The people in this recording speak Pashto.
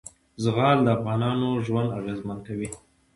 زغال د افغانانو ژوند اغېزمن کوي.